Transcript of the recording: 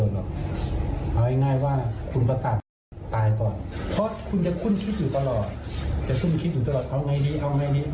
เอาไงดีเอาไงดีเอาไงดี